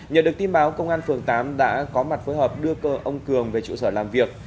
nhờ được tin báo công an phường tám đã có mặt phối hợp đưa cơ ông cường về trụ sở làm việc